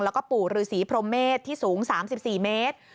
แล้วก็ปู่ฤษีพรหมเมษที่สูง๓๔เมตร